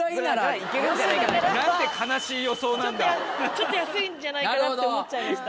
ちょっと安いんじゃないかなって思っちゃいました。